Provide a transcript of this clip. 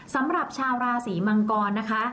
สำหรับชาวราศีมังกรนะคะ